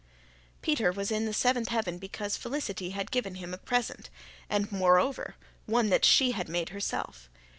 Peter was in the seventh heaven because Felicity had given him a present and, moreover, one that she had made herself.